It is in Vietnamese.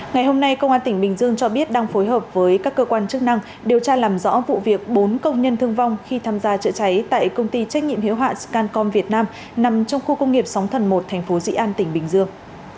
ngày hôm nay công an tỉnh bình dương cho biết đang phối hợp với các cơ quan chức năng điều tra làm rõ vụ việc bốn công nhân thương vong khi tham gia chữa cháy tại công ty trách nhiệm hiệu hạn scancom việt nam nằm trong khu công nghiệp sóng thần một thành phố dị an tỉnh bình dương